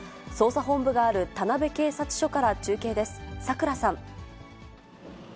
捜査本部がある田辺警察署から中継です。